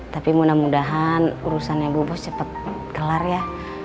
tapi mudah mudahan urusannya bu bos cepat kelar ya